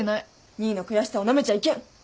２位の悔しさをなめちゃいけん。